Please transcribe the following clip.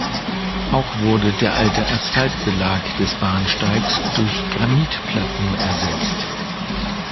Auch wurde der alte Asphaltbelag des Bahnsteigs durch Granitplatten ersetzt.